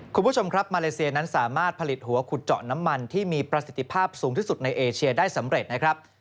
คุณผู้ชมครับมาเลเซียนั้นสามารถผลิตหัวขุดเจาะน้ำมันที่มีประสิทธิภาพสูงที่สุดในเอเชียได้สำเร็จนะครับ